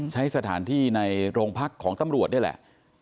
ใช้สถานที่ในโรงพักของตำรวจนี่แหละ